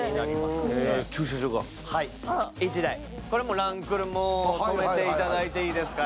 この駐車場、ランクルも止めていただいていいですから。